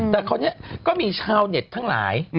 แต่คราวนี้ก็มีชาวเน็ตทั้งหลาย